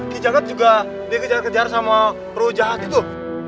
gijagat juga dikejar kejar sama rujat itu